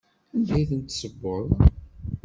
Anda i tent-tessewweḍ?